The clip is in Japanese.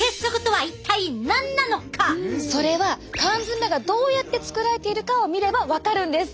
それは缶詰がどうやって作られているかを見ればわかるんです。